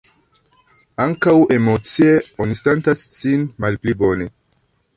Ankaŭ emocie oni sentas sin malpli bone.